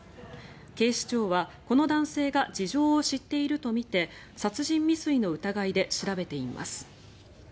警視庁は、この男性が事情を知っているとみて殺人未遂の疑いで調べています。